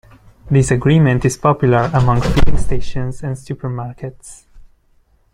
This agreement is popular among filling stations and supermarkets.